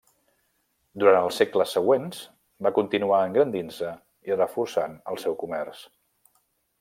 Durant els segles següents va continuar engrandint-se i reforçant el seu comerç.